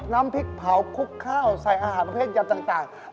น้ำพริกเผาคลุกข้าวใส่อาหารประเภทยำต่าง